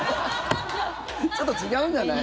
ちょっと違うんじゃない？